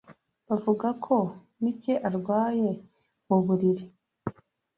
Bavuga ko Mike arwaye mu buriri.